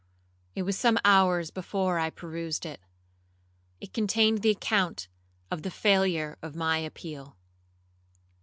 It was some hours before I perused it,—it contained the account of the failure of my appeal.